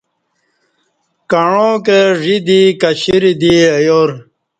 کعاں کں ژ ی دی کشییرہ دی ایار